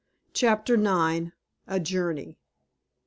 CHAPTER IX. A JOURNEY.